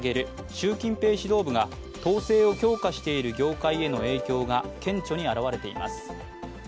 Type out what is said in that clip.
習近平指導部が統制を強化している業界への影響が顕著に表れています。